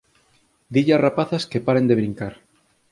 Dille ás rapazas que paren de brincar